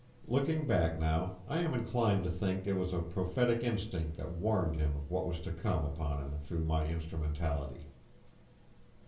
Looking back now, I am inclined to think it was a prophetic instinct that warned him of what was to come upon him through my instrumentality.